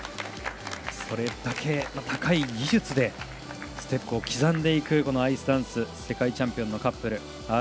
それだけ高い技術でステップを刻んでいくアイスダンス世界チャンピオンのカップル。